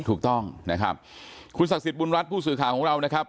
ถูกต้องนะครับคุณศักดิ์สิทธิบุญรัฐผู้สื่อข่าวของเรานะครับ